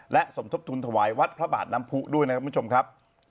และสมทบทุนถวายวัดพระบาทน้ำผู้ด้วยนะครับคุณผู้ชมครับ